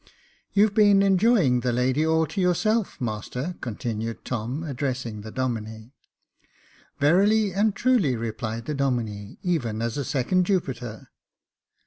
" You've been enjoy ing the lady all to yourself, master," continued Tom, addressing the Domine. "Verily and truly," replied the Domine, "even as a second Jupiter."